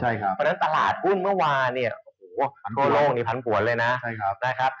เพราะฉะนั้นตลาดกุ้งเมื่อวานโคล่โลกนี้พันผัวเลยนะ